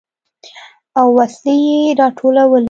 او وسلې يې راټولولې.